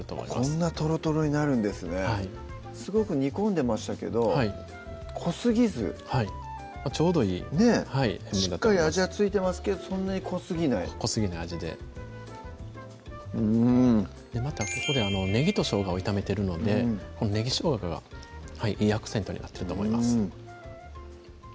こんなトロトロになるんですねはいすごく煮込んでましたけど濃すぎずちょうどいいねぇしっかり味は付いてますけどそんなに濃すぎない濃すぎない味でうんまたここでねぎとしょうがを炒めてるのでこのねぎしょうががいいアクセントになってると思います